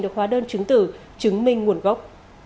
được khóa đơn chứng tử chứng minh nguồn gốc